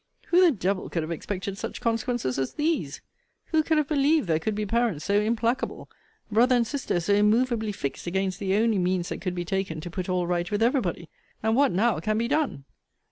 Who the devil could have expected such consequences as these? Who could have believe there could be parents so implacable? Brother and sister so immovably fixed against the only means that could be taken to put all right with every body? And what now can be done?